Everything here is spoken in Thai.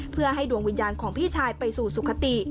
เพื่อให้ดวงวิญญาณของพี่ชายไปสู่สุขติ